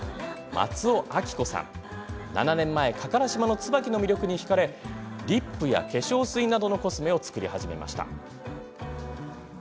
松尾聡子さん、７年前加唐島のツバキの魅力にひかれリップや化粧水などのコスメを作り始めました。